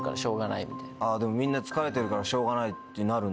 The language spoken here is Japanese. でもみんな疲れてるからしょうがないってなるんだ。